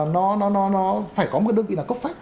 nó phải có một đơn vị là cấp phép